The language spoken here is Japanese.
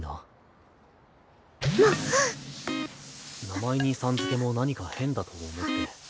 名前にさん付けも何か変だと思って。